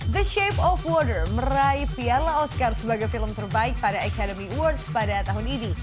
the shape of water meraih piala oscar sebagai film terbaik pada academy awards pada tahun ini